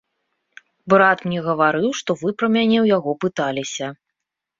Брат мне гаварыў, што вы пра мяне ў яго пыталіся.